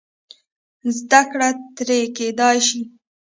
زده کړه ترې کېدای شي.